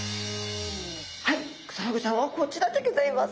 はいクサフグちゃんはこちらでギョざいます。